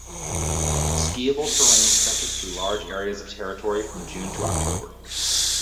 Skiable terrain stretches through large areas of territory from June to October.